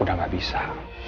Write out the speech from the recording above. udah gak bisa